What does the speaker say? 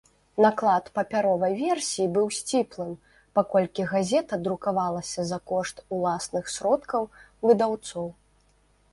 Наклад папяровай версіі быў сціплым, паколькі газета друкавалася за кошт уласных сродкаў выдаўцоў.